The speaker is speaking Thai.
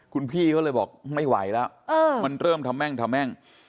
คุณพี่เขาเลยบอกไม่ไหวแล้วมันเริ่มทะแม่งทะแม่ง